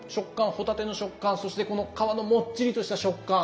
帆立ての食感そしてこの皮のもっちりとした食感。